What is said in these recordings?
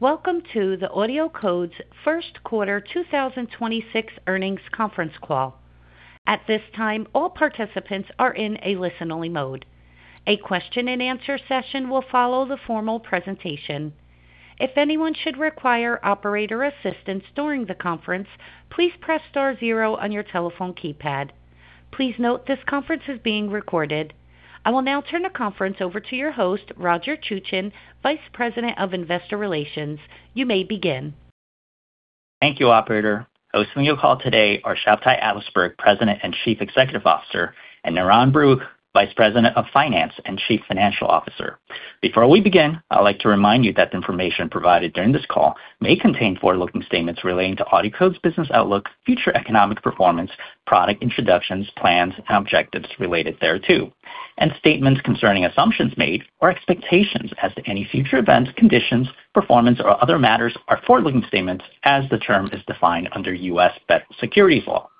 Welcome to the AudioCodes first quarter 2026 earnings conference call. At this time, all participants are in a listen-only mode. A question and answer session will follow the formal presentation. If anyone should require operator assistance during the conference, please press star zero on your telephone keypad. Please note this conference is being recorded. I will now turn the conference over to your host, Roger Chuchen, Vice President of Investor Relations. You may begin. Thank you, operator. Hosting your call today are Shabtai Adlersberg, President and Chief Executive Officer, and Niran Baruch, Vice President of Finance and Chief Financial Officer. Before we begin, I'd like to remind you that the information provided during this call may contain forward-looking statements relating to AudioCodes business outlook, future economic performance, product introductions, plans, and objectives related thereto. Statements concerning assumptions made or expectations as to any future events, conditions, performance, or other matters are forward-looking statements as the term is defined under U.S. federal securities law.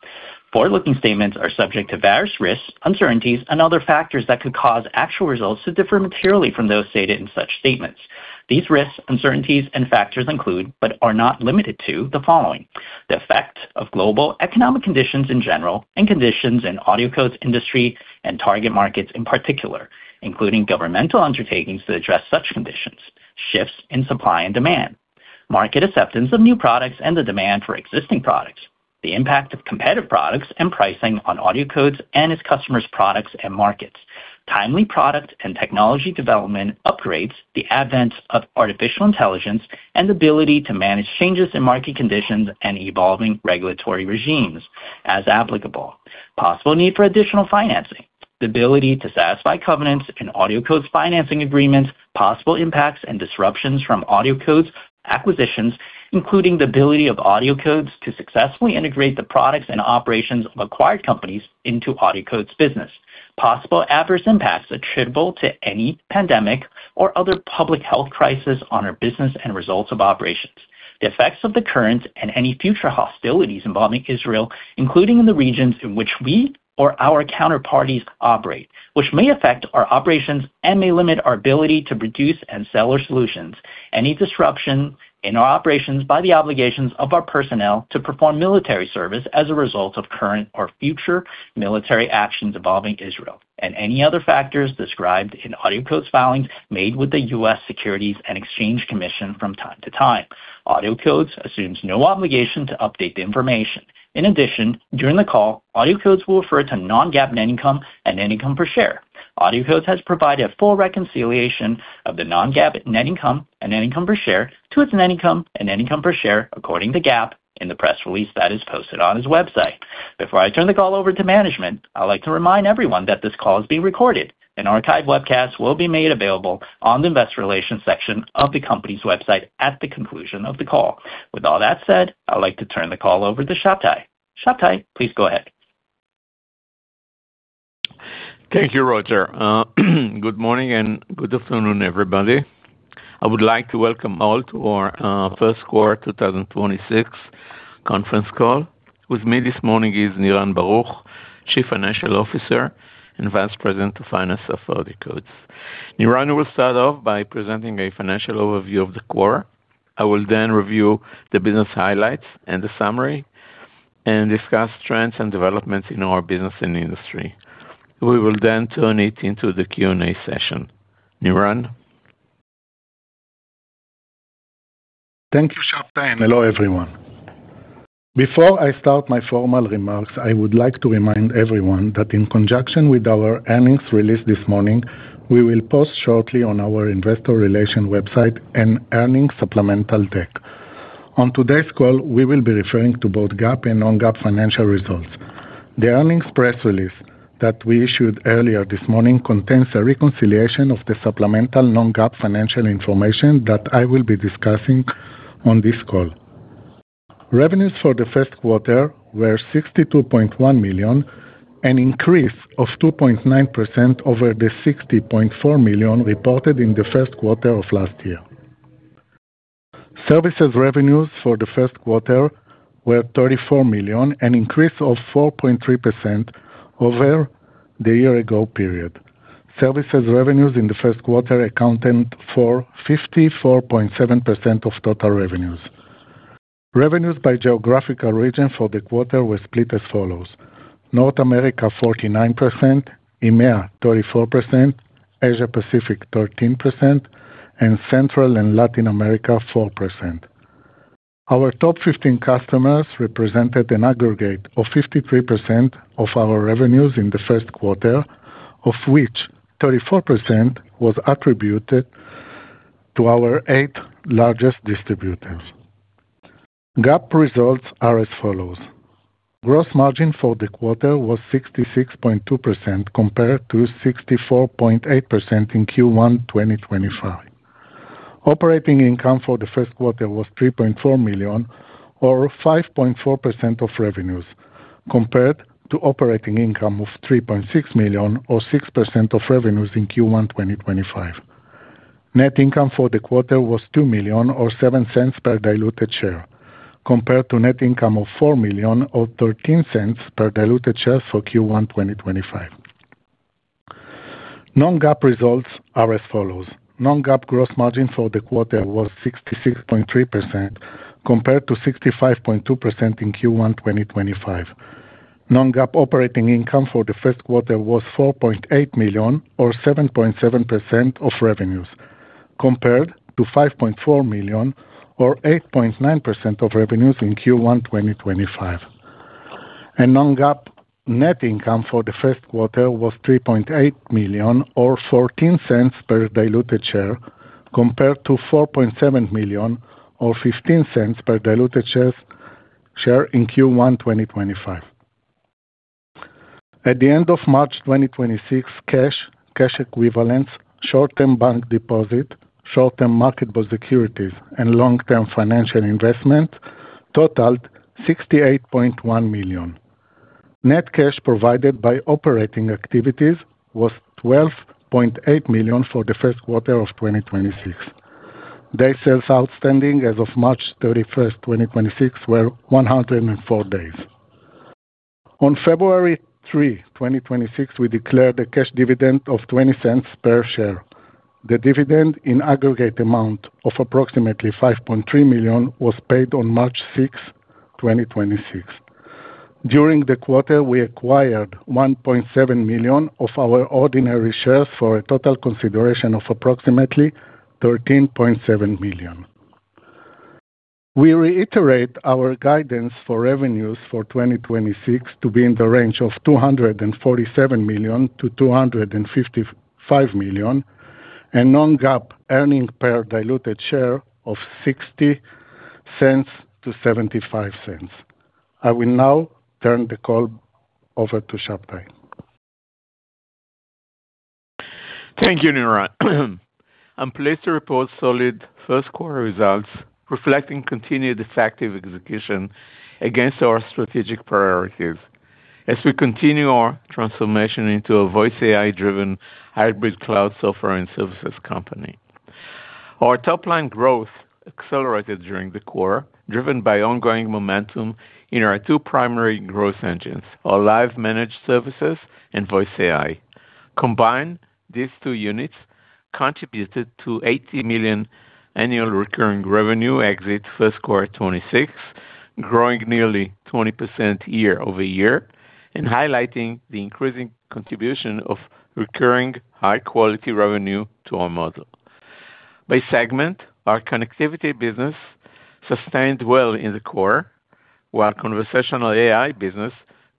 Forward-looking statements are subject to various risks, uncertainties, and other factors that could cause actual results to differ materially from those stated in such statements. These risks, uncertainties, and factors include, but are not limited to, the following. The effect of global economic conditions in general and conditions in AudioCodes industry and target markets in particular, including governmental undertakings to address such conditions, shifts in supply and demand, market acceptance of new products and the demand for existing products, the impact of competitive products and pricing on AudioCodes and its customers' products and markets. Timely product and technology development upgrades, the advent of artificial intelligence, and the ability to manage changes in market conditions and evolving regulatory regimes as applicable. Possible need for additional financing, the ability to satisfy covenants in AudioCodes financing agreements, possible impacts and disruptions from AudioCodes acquisitions, including the ability of AudioCodes to successfully integrate the products and operations of acquired companies into AudioCodes business. Possible adverse impacts attributable to any pandemic or other public health crisis on our business and results of operations. The effects of the current and any future hostilities involving Israel, including in the regions in which we or our counterparties operate, which may affect our operations and may limit our ability to produce and sell our solutions. Any disruption in our operations by the obligations of our personnel to perform military service as a result of current or future military actions involving Israel, and any other factors described in AudioCodes filings made with the U.S. Securities and Exchange Commission from time to time. AudioCodes assumes no obligation to update the information. In addition, during the call, AudioCodes will refer to non-GAAP net income and net income per share. AudioCodes has provided a full reconciliation of the non-GAAP net income and net income per share to its net income and net income per share according to GAAP in the press release that is posted on its website. Before I turn the call over to management, I'd like to remind everyone that this call is being recorded. An archived webcast will be made available on the investor relations section of the company's website at the conclusion of the call. With all that said, I'd like to turn the call over to Shabtai. Shabtai, please go ahead. Thank you, Roger Chuchen. Good morning and good afternoon, everybody. I would like to welcome all to our first quarter 2026 conference call. With me this morning is Niran Baruch, Chief Financial Officer and Vice President of Finance of AudioCodes. Niran will start off by presenting a financial overview of the quarter. I will then review the business highlights and the summary and discuss trends and developments in our business and the industry. We will then turn it into the Q&A session. Niran? Thank you, Shabtai, and hello, everyone. Before I start my formal remarks, I would like to remind everyone that in conjunction with our earnings release this morning, we will post shortly on our investor relation website an earnings supplemental deck. On today's call, we will be referring to both GAAP and non-GAAP financial results. The earnings press release that we issued earlier this morning contains a reconciliation of the supplemental non-GAAP financial information that I will be discussing on this call. Revenues for the first quarter were $62.1 million, an increase of 2.9% over the $60.4 million reported in the first quarter of last year. Services revenues for the first quarter were $34 million, an increase of 4.3% over the year ago period. Services revenues in the first quarter accounted for 54.7% of total revenues. Revenues by geographical region for the quarter were split as follows: North America, 49%; EMEA, 34%; Asia Pacific, 13%; and Central and Latin America, 4%. Our top 15 customers represented an aggregate of 53% of our revenues in the first quarter, of which 34% was attributed to our eight largest distributors. GAAP results are as follows. Gross margin for the quarter was 66.2% compared to 64.8% in Q1 2025. Operating income for the first quarter was $3.4 million or 5.4% of revenues compared to operating income of $3.6 million or 6% of revenues in Q1 2025. Net income for the quarter was $2 million or $0.07 per diluted share compared to net income of $4 million or $0.13 per diluted share for Q1 2025. Non-GAAP results are as follows. Non-GAAP gross margin for the quarter was 66.3% compared to 65.2% in Q1 2025. Non-GAAP operating income for the first quarter was $4.8 million or 7.7% of revenues, compared to $5.4 million or 8.9% of revenues in Q1 2025. Non-GAAP net income for the first quarter was $3.8 million or $0.14 per diluted share, compared to $4.7 million or $0.15 per diluted share in Q1 2025. At the end of March 2026, cash equivalents, short-term bank deposit, short-term marketable securities, and long-term financial investments totaled $68.1 million. Net cash provided by operating activities was $12.8 million for the first quarter of 2026. Day sales outstanding as of March 31st, 2026 were 104 days. On February 3, 2026, we declared a cash dividend of $0.20 per share. The dividend in aggregate amount of approximately $5.3 million was paid on March 6th, 2026. During the quarter, we acquired 1.7 million of our ordinary shares for a total consideration of approximately $13.7 million. We reiterate our guidance for revenues for 2026 to be in the range of $247 million-$255 million, and non-GAAP earning per diluted share of $0.60-$0.75. I will now turn the call over to Shabtai. Thank you, Niran. I'm pleased to report solid first quarter results reflecting continued effective execution against our strategic priorities as we continue our transformation into a voice AI-driven hybrid cloud software and services company. Our top-line growth accelerated during the quarter, driven by ongoing momentum in our two primary growth engines, our live managed services and voice AI. Combined, these two units contributed to $80 million annual recurring revenue exit first quarter 2026, growing nearly 20% year-over-year and highlighting the increasing contribution of recurring high quality revenue to our model. By segment, our Connectivity Business sustained well in the quarter, while Conversational AI business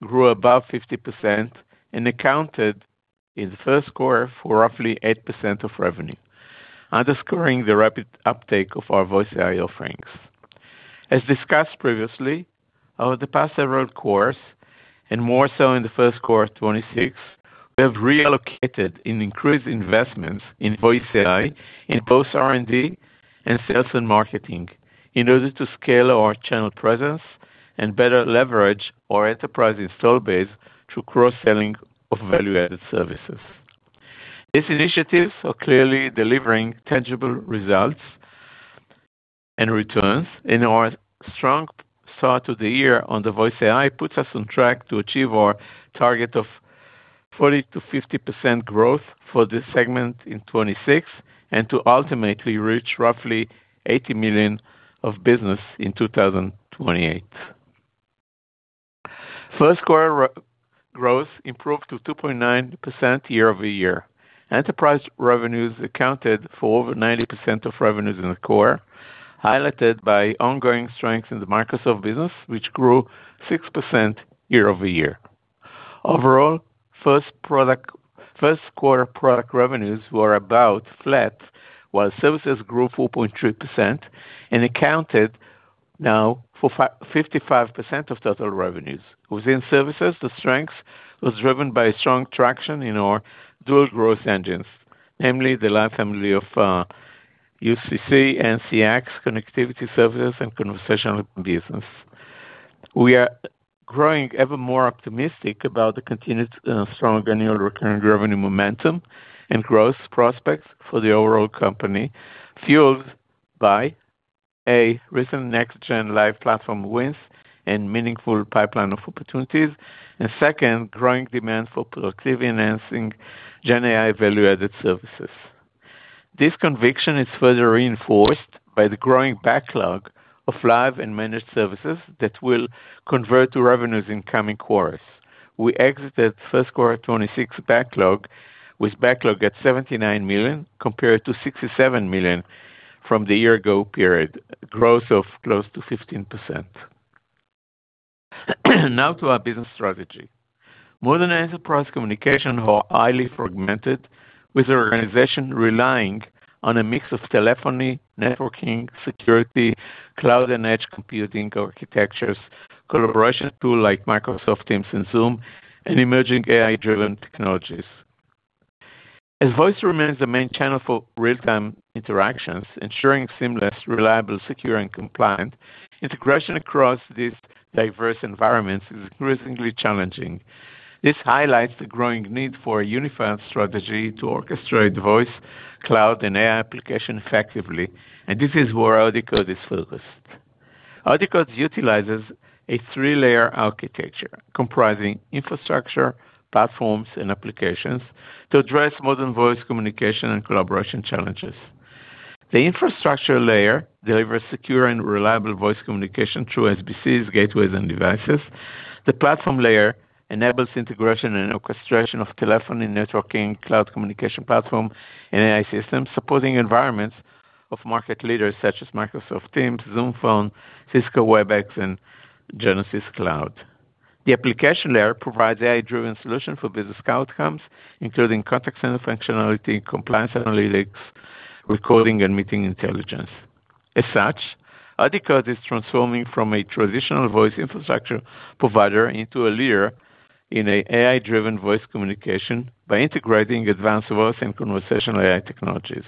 grew above 50% and accounted in the first quarter for roughly 8% of revenue, underscoring the rapid uptake of our Voice AI offerings. As discussed previously, over the past several quarters, and more so in the first quarter 2026, we have reallocated and increased investments in Voice AI in both R&D and sales and marketing in order to scale our channel presence and better leverage our enterprise install base through cross-selling of value-added services. These initiatives are clearly delivering tangible results and returns. Our strong start to the year on the voice AI puts us on track to achieve our target of 40%-50% growth for this segment in 2026 and to ultimately reach roughly $80 million of business in 2028. First quarter growth improved to 2.9% year-over-year. Enterprise revenues accounted for over 90% of revenues in the quarter, highlighted by ongoing strength in the Microsoft business, which grew 6% year-over-year. Overall, first quarter product revenues were about flat, while services grew 4.3% and accounted now for 55% of total revenues. Within services, the strength was driven by strong traction in our dual growth engines, namely the Live family of UCC, NCX, connectivity services, and conversational business. We are growing ever more optimistic about the continued strong ARR momentum and growth prospects for the overall company, fueled by, A, recent next-gen Live Platform wins and meaningful pipeline of opportunities, and second, growing demand for productivity-enhancing GenAI value-added services. This conviction is further reinforced by the growing backlog of Live and managed services that will convert to revenues in coming quarters. We exited first quarter 2026 backlog with backlog at $79 million compared to $67 million from the year ago period, growth of close to 15%. Now to our business strategy. Modern enterprise communication are highly fragmented, with organizations relying on a mix of telephony, networking, security, cloud, and edge computing architectures, collaboration tools like Microsoft Teams and Zoom, and emerging AI-driven technologies. As voice remains the main channel for real-time interactions, ensuring seamless, reliable, secure, and compliant integration across these diverse environments is increasingly challenging. This highlights the growing need for a unified strategy to orchestrate voice, cloud, and AI application effectively. This is where AudioCodes is focused. AudioCodes utilizes a three-layer architecture comprising infrastructure, platforms, and applications to address modern voice communication and collaboration challenges. The infrastructure layer delivers secure and reliable voice communication through SBCs, gateways, and devices. The platform layer enables integration and orchestration of telephony, networking, cloud communication platform, and AI systems, supporting environments of market leaders such as Microsoft Teams, Zoom Phone, Cisco Webex, and Genesys Cloud. The application layer provides AI-driven solution for business outcomes, including contact center functionality, compliance analytics, recording, and meeting intelligence. As such, AudioCodes is transforming from a traditional voice infrastructure provider into a leader in AI-driven voice communication by integrating advanced voice and conversational AI technologies.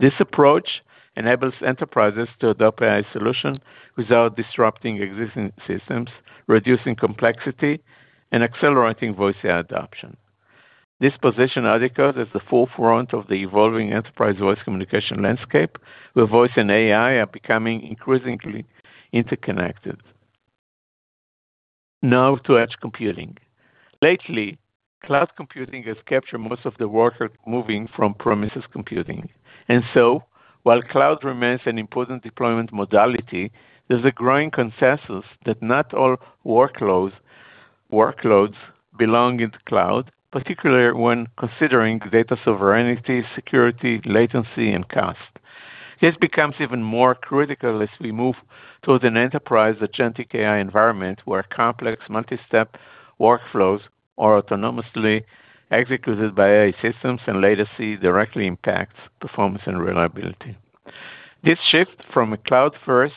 This approach enables enterprises to adopt AI solution without disrupting existing systems, reducing complexity, and accelerating voice AI adoption. This position AudioCodes at the forefront of the evolving enterprise voice communication landscape, where voice and AI are becoming increasingly interconnected. Now to edge computing. Lately, cloud computing has captured most of the workload moving from premises computing. While cloud remains an important deployment modality, there's a growing consensus that not all workloads belong in the cloud, particularly when considering data sovereignty, security, latency, and cost. This becomes even more critical as we move towards an enterprise agentic AI environment where complex multi-step workflows are autonomously executed by AI systems, and latency directly impacts performance and reliability. This shift from a cloud-first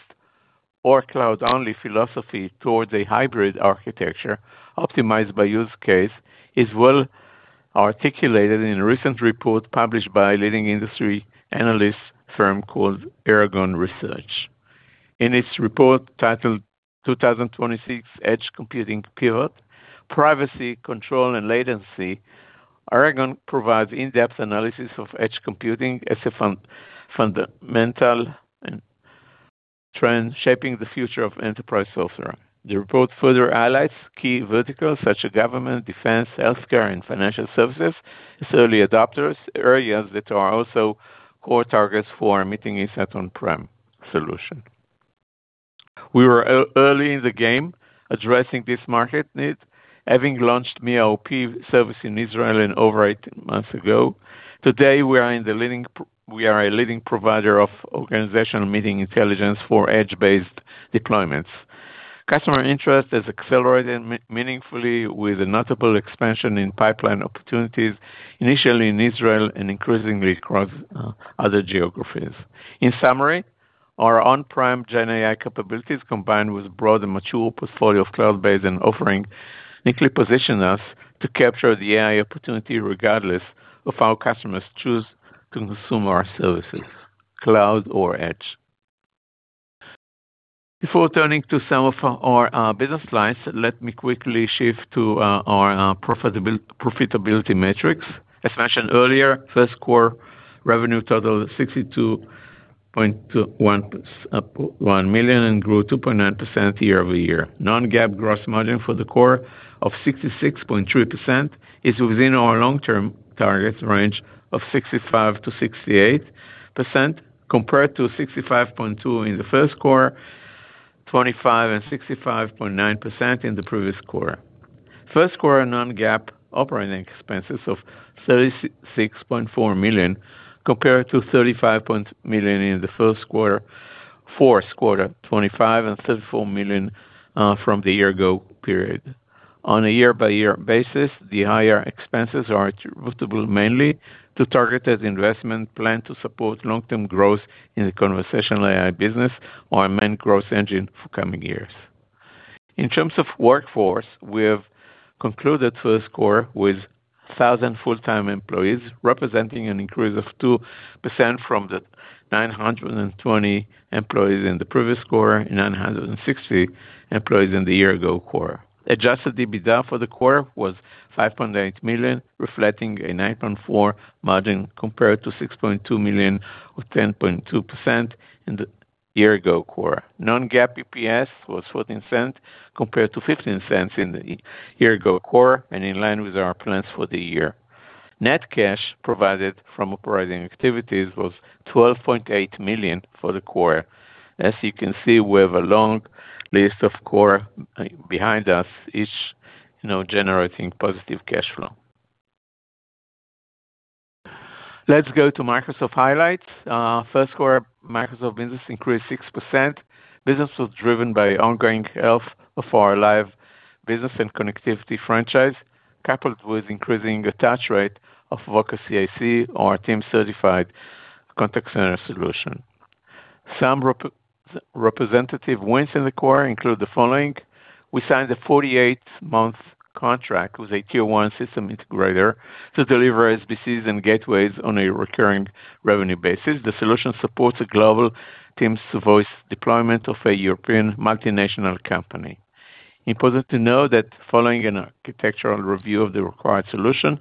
or cloud-only philosophy towards a hybrid architecture optimized by use case is well articulated in a recent report published by a leading industry analyst firm called Aragon Research. In its report titled 2026 Edge Computing Pivot: Privacy, Control, and Latency, Aragon provides in-depth analysis of edge computing as a fundamental trend shaping the future of enterprise software. The report further highlights key verticals such as government, defense, healthcare, and financial services as early adopters, areas that are also core targets for our Meeting Insights On-Prem solution. We were early in the game addressing this market need, having launched Mia OP service in Israel over 18 months ago. Today, we are a leading provider of organizational meeting intelligence for edge-based deployments. Customer interest has accelerated meaningfully with a notable expansion in pipeline opportunities, initially in Israel and increasingly across other geographies. In summary, our on-prem GenAI capabilities, combined with broad and mature portfolio of cloud-based and offering, uniquely position us to capture the AI opportunity regardless of how customers choose to consume our services, cloud or edge. Before turning to some of our business slides, let me quickly shift to our profitability metrics. As mentioned earlier, first quarter revenue totaled $62.1 million and grew 2.9% year-over-year. Non-GAAP gross margin for the quarter of 66.3% is within our long-term target range of 65%-68% compared to 65.2% in the first quarter 2025, and 65.9% in the previous quarter. First quarter non-GAAP operating expenses of $36.4 million compared to $35 million in the fourth quarter 2025 and $34 million from the year ago period. On a year-by-year basis, the higher expenses are attributable mainly to targeted investment plan to support long-term growth in the Conversational AI business, our main growth engine for coming years. In terms of workforce, we have concluded first quarter with 1,000 full-time employees, representing an increase of 2% from the 920 employees in the previous quarter, 960 employees in the year ago quarter Adjusted EBITDA for the quarter was $5.8 million, reflecting a 9.4% margin compared to $6.2 million or 10.2% in the year ago quarter. Non-GAAP EPS was $0.14 compared to $0.15 in the year ago quarter and in line with our plans for the year. Net cash provided from operating activities was $12.8 million for the quarter. As you can see, we have a long list of quarter behind us, each, you know, generating positive cash flow. Let's go to Microsoft highlights. First quarter Microsoft business increased 6%. Business was driven by ongoing health of our live business and connectivity franchise, coupled with increasing attach rate of Voca CIC, our Teams-certified contact center solution. Some representative wins in the quarter include the following. We signed a 48-month contract with a Tier 1 system integrator to deliver SBCs and gateways on a recurring revenue basis. The solution supports a global Teams voice deployment of a European multinational company. Important to know that following an architectural review of the required solution,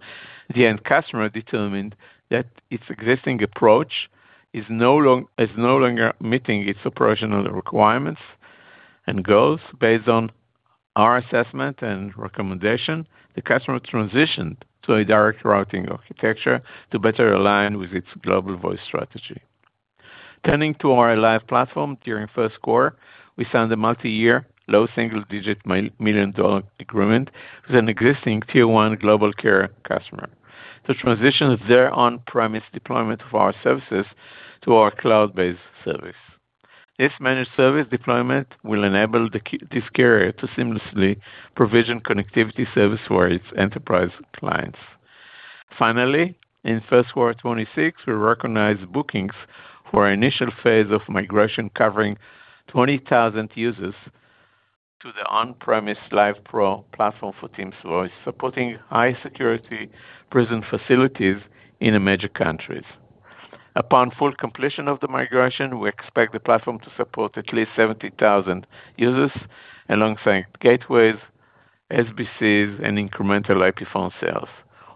the end customer determined that its existing approach is no longer meeting its operational requirements and goals. Based on our assessment and recommendation, the customer transitioned to a Direct Routing architecture to better align with its global voice strategy. Turning to our Live Platform during first quarter, we signed a multi-year, low single-digit million-dollar agreement with an existing Tier 1 global carrier customer to transition their on-premise deployment of our services to our cloud-based service. This managed service deployment will enable this carrier to seamlessly provision connectivity service for its enterprise clients. Finally, in first quarter 2026, we recognized bookings for our initial phase of migration covering 20,000 users to the on-premise Live Pro platform for Teams voice, supporting high-security prison facilities in emerging countries. Upon full completion of the migration, we expect the platform to support at least 70,000 users alongside gateways, SBCs, and incremental IP phone sales.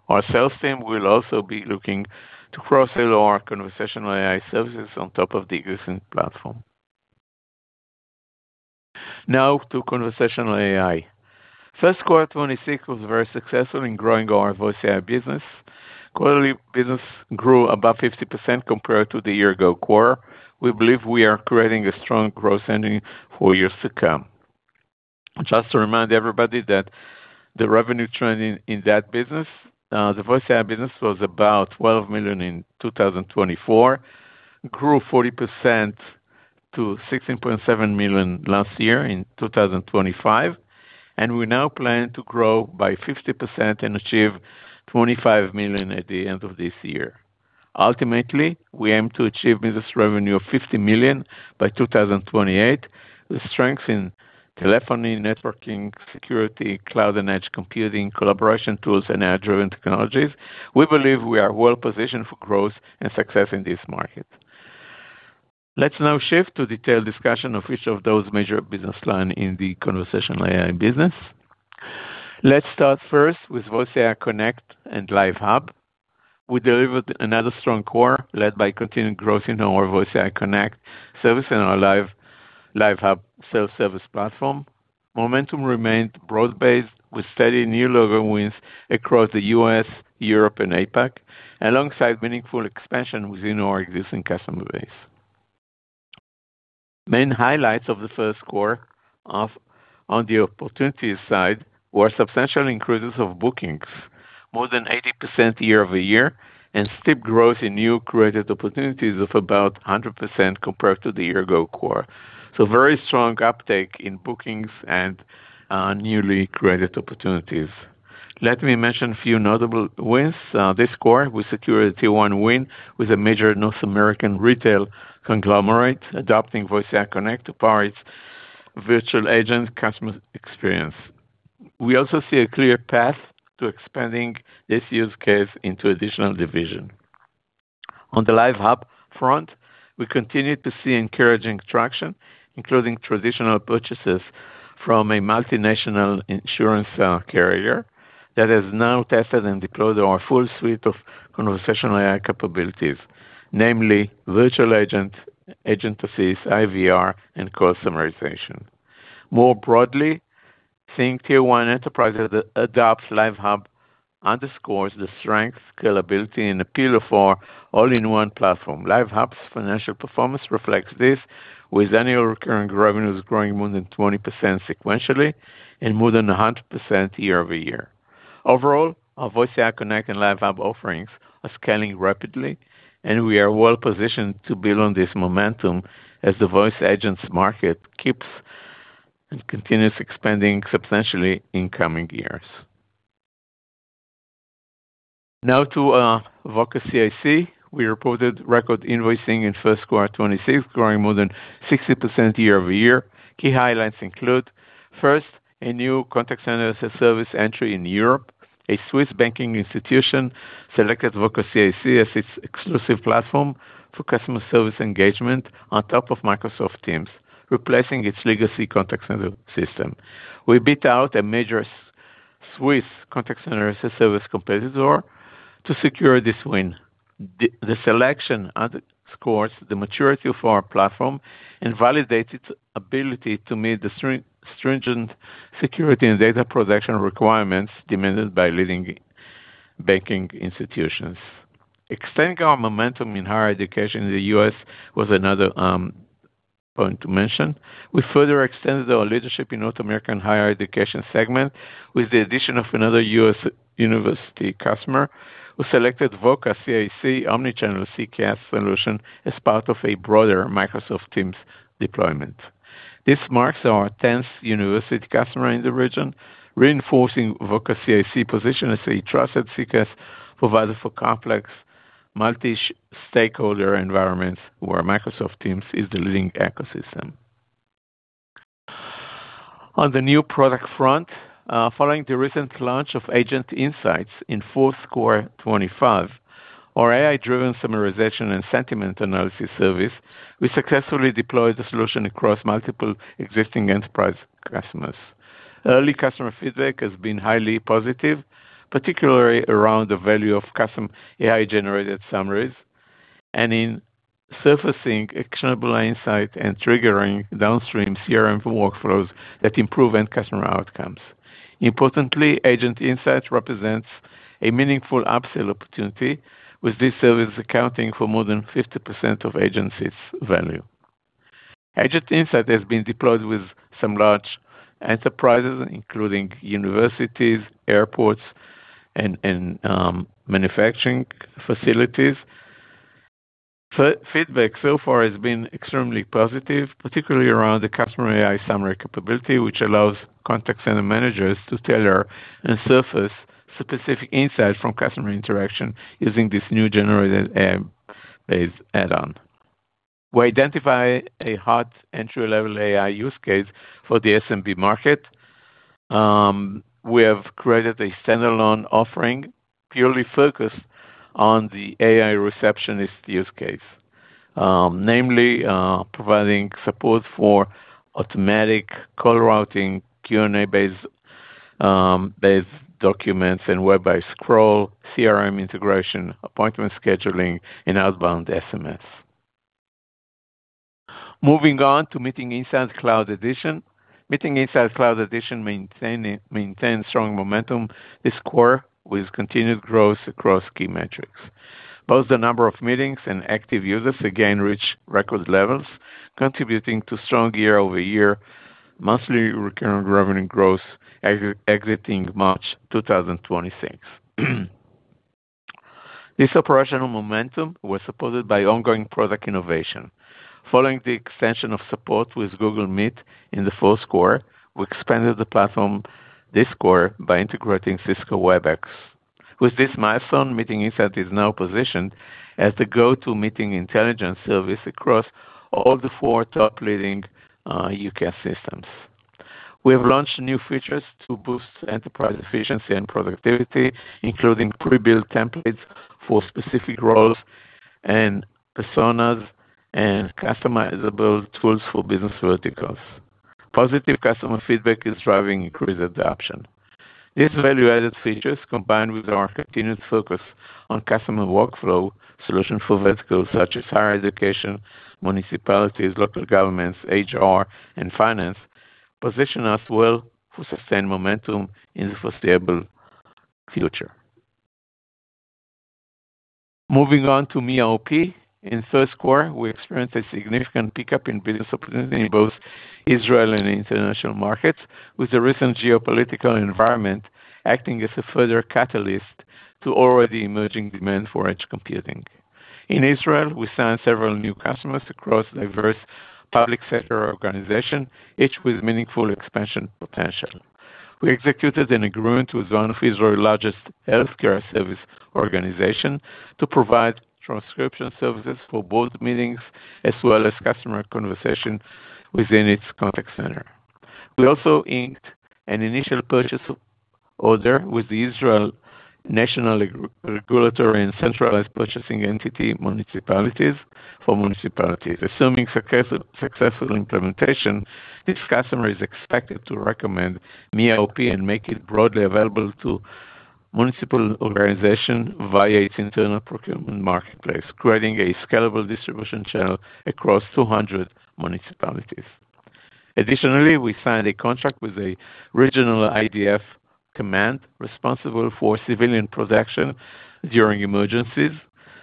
Our sales team will also be looking to cross-sell our Conversational AI services on top of the existing platform. Now to Conversational AI. First quarter 2026 was very successful in growing our voice AI business. Quarterly business grew above 50% compared to the year ago quarter. We believe we are creating a strong growth engine for years to come. Just to remind everybody that the revenue trend in that business, the voice AI business was about $12 million in 2024, grew 40% to $16.7 million last year in 2025, and we now plan to grow by 50% and achieve $25 million at the end of this year. Ultimately, we aim to achieve business revenue of $50 million by 2028. With strength in telephony, networking, security, cloud and edge computing, collaboration tools, and AI-driven technologies, we believe we are well-positioned for growth and success in this market. Let's now shift to detailed discussion of each of those major business line in the Conversational AI business. Let's start first with VoiceAI Connect and Live Hub. We delivered another strong quarter led by continued growth into our VoiceAI Connect service and our Live Hub self-service platform. Momentum remained broad-based with steady new logo wins across the U.S., Europe, and APAC, alongside meaningful expansion within our existing customer base. Main highlights of the first quarter on the opportunities side were substantial increases of bookings, more than 80% year-over-year, and steep growth in new created opportunities of about 100% compared to the year-ago quarter. Very strong uptake in bookings and newly created opportunities. Let me mention a few notable wins. This quarter, we secured a Tier 1 win with a major North American retail conglomerate adopting VoiceAI Connect to power its virtual agent customer experience. We also see a clear path to expanding this use case into additional division. On the Live Hub front, we continue to see encouraging traction, including traditional purchases from a multinational insurance carrier that has now tested and deployed our full suite of Conversational AI capabilities, namely virtual agent assist, IVR, and call summarization. More broadly, seeing Tier 1 enterprises adopt Live Hub underscores the strength, scalability, and appeal of our all-in-one platform. Live Hub's financial performance reflects this, with annual recurring revenues growing more than 20% sequentially and more than 100% year-over-year. Overall, our VoiceAI Connect and Live Hub offerings are scaling rapidly, and we are well-positioned to build on this momentum as the voice agents market keeps and continues expanding substantially in coming years. Now to Voca CIC. We reported record invoicing in first quarter 2026, growing more than 60% year-over-year. Key highlights include, first, a new contact center as a service entry in Europe. A Swiss banking institution selected Voca CIC as its exclusive platform for customer service engagement on top of Microsoft Teams, replacing its legacy contact center system. We beat out a major Swiss contact center as a service competitor to secure this win. The selection underscores the maturity of our platform and validates its ability to meet the stringent security and data protection requirements demanded by leading banking institutions. Extending our momentum in higher education in the U.S. was another point to mention. We further extended our leadership in North American higher education segment with the addition of another U.S. university customer who selected Voca CIC omnichannel CCaaS solution as part of a broader Microsoft Teams deployment. This marks our 10th university customer in the region, reinforcing Voca CIC position as a trusted CCaaS provider for complex multi-stakeholder environments where Microsoft Teams is the leading ecosystem. On the new product front, following the recent launch of Agent Insights in fourth quarter 2025. Our AI-driven summarization and sentiment analysis service, we successfully deployed the solution across multiple existing enterprise customers. Early customer feedback has been highly positive, particularly around the value of custom AI-generated summaries and in surfacing actionable insight and triggering downstream CRM workflows that improve end customer outcomes. Importantly, Agent Insights represents a meaningful upsell opportunity, with this service accounting for more than 50% of Agent's value. Agent Insights has been deployed with some large enterprises, including universities, airports, and manufacturing facilities. Feedback so far has been extremely positive, particularly around the customer AI summary capability, which allows contact center managers to tailor and surface specific insights from customer interaction using this new generated AI add-on. We identify a hot entry-level AI use case for the SMB market. We have created a standalone offering purely focused on the AI receptionist use case, namely, providing support for automatic call routing, Q&A-based documents, and web-based scroll, CRM integration, appointment scheduling, and outbound SMS. Moving on to Meeting Insights Cloud Edition. Meeting Insights Cloud Edition maintains strong momentum this quarter with continued growth across key metrics. Both the number of meetings and active users again reach record levels, contributing to strong year-over-year monthly recurring revenue growth exiting March 2026. This operational momentum was supported by ongoing product innovation. Following the extension of support with Google Meet in the fourth quarter, we expanded the platform this quarter by integrating Cisco Webex. With this milestone, Meeting Insights is now positioned as the go-to meeting intelligence service across all the four top leading UCaaS systems. We have launched new features to boost enterprise efficiency and productivity, including pre-built templates for specific roles and personas and customizable tools for business verticals. Positive customer feedback is driving increased adoption. These value-added features, combined with our continued focus on customer workflow solutions for verticals such as higher education, municipalities, local governments, HR, and finance, position us well to sustain momentum in the foreseeable future. Moving on to Mia-OP. In first quarter, we experienced a significant pickup in business opportunities in both Israel and the international markets, with the recent geopolitical environment acting as a further catalyst to already emerging demand for edge computing. In Israel, we signed several new customers across diverse public sector organizations, each with meaningful expansion potential. We executed an agreement with one of Israel's largest healthcare service organizations to provide transcription services for board meetings as well as customer conversations within its contact center. We also inked an initial purchase order with the Israel National Regulatory and Centralized Purchasing Entity Municipalities for municipalities. Assuming successful implementation, this customer is expected to recommend Mia-OP and make it broadly available to municipal organizations via its internal procurement marketplace, creating a scalable distribution channel across 200 municipalities. Additionally, we signed a contract with a regional IDF command responsible for civilian protection during emergencies.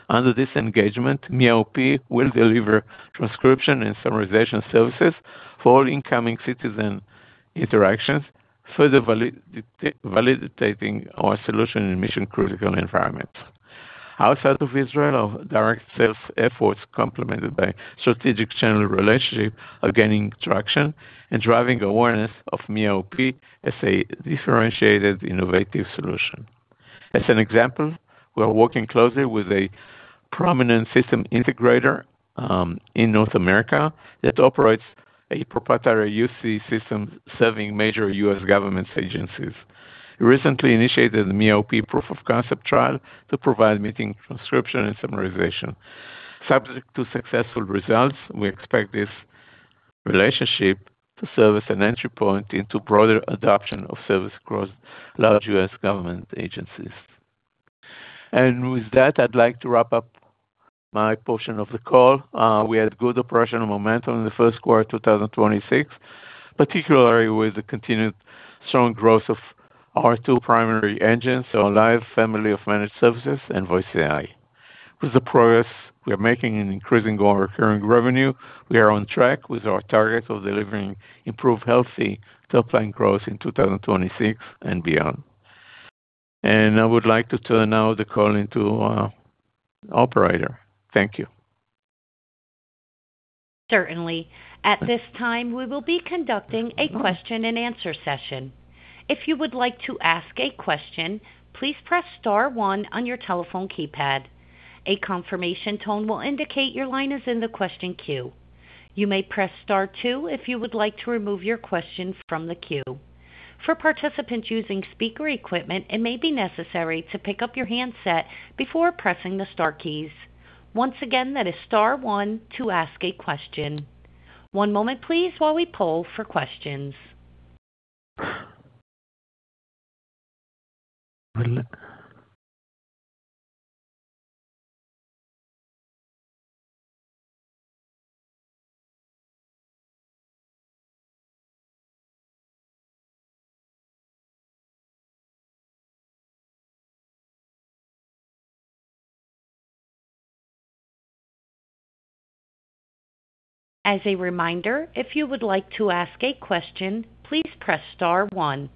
Under this engagement, Mia-OP will deliver transcription and summarization services for all incoming citizen interactions, further validating our solution in mission-critical environments. Outside of Israel, our direct sales efforts complemented by strategic channel relationships are gaining traction and driving awareness of Mia-OP as a differentiated, innovative solution. As an example, we are working closely with a prominent system integrator in North America that operates a proprietary UC system serving major U.S. government agencies. We recently initiated the Mia-OP proof of concept trial to provide meeting transcription and summarization. Subject to successful results, we expect this relationship to serve as an entry point into broader adoption of service across large U.S. government agencies. With that, I'd like to wrap up my portion of the call. We had good operational momentum in the first quarter 2026, particularly with the continued strong growth of our two primary engines, our live family of managed services and VoiceAI. With the progress we are making in increasing our recurring revenue, we are on track with our target of delivering improved healthy top-line growth in 2026 and beyond. I would like to turn now the call into our operator. Thank you. Certainly. At this time, we will be conducting a question and answer session. If you would like to ask a question, please press star one on your telephone keypad. A confirmation tone will indicate your line is in the question queue. You may press star two if you would like to remove your question from the queue. For participants using speaker equipment, it may be necessary to pick up your handset before pressing the star keys. Once again, that is star one to ask a question. One moment please, while we poll for questions. As a reminder, if you would like to ask a question, please press star one.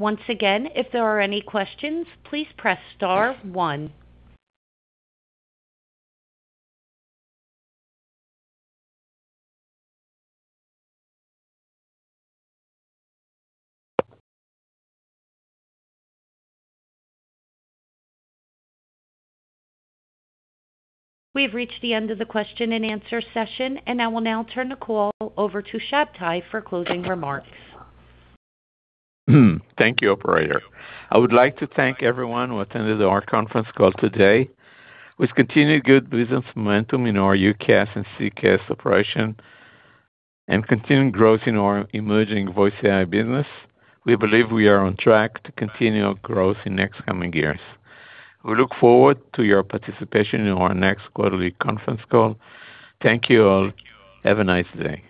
Once again, if there are any questions, please press star one. We've reached the end of the question and answer session, and I will now turn the call over to Shabtai for closing remarks. Thank you, operator. I would like to thank everyone who attended our conference call today. With continued good business momentum in our UCaaS and CCaaS operation and continued growth in our emerging voice AI business, we believe we are on track to continue our growth in next coming years. We look forward to your participation in our next quarterly conference call. Thank you all. Have a nice day.